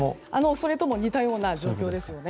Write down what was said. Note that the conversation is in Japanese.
それとも似たような状況ですね。